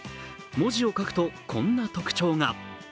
文字を書くとこんな特徴が。